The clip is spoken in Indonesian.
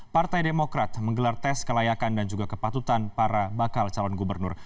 partai demokrat menggelar tes kelayakan dan juga kepatutan para bakal calon gubernur